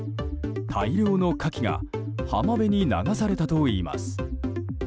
大量のカキが浜辺に流されたといいます。